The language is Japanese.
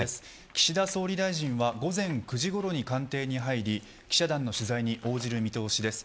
岸田総理大臣は午前９時ごろ官邸に入り記者団の取材に応じる見通しです。